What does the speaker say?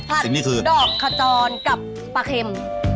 ผัดดอกขจรกับปลาเค็ม